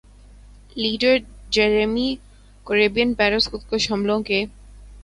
leader Jeremy Corbyn Paris خودکش حملوں کے